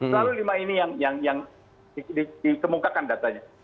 selalu lima ini yang dikemukakan datanya